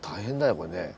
これね。